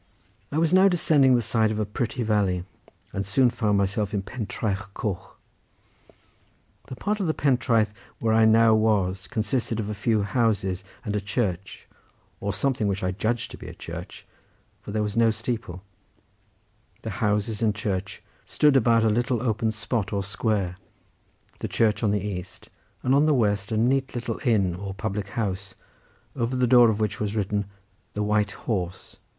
I was now descending the side of a pretty valley, and soon found myself at Pentraeth Coch. The part of the Pentraeth where I now was consisted of a few houses and a church, or something which I judged to be a church, for there was no steeple; the houses and church stood about a little open spot or square, the church on the east, and on the west a neat little inn or public house over the door of which was written "The White Horse.